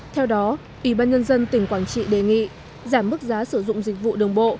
theo đó ủy ban nhân dân tỉnh quảng trị đề nghị giảm mức giá sử dụng dịch vụ đường bộ